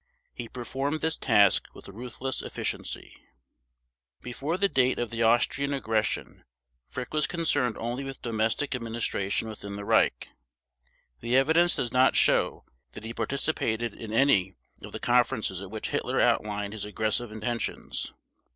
He performed this task with ruthless efficiency. Before the date of the Austrian aggression Frick was concerned only with domestic administration within the Reich. The evidence does not show that he participated in any of the conferences at which Hitler outlined his aggressive intentions.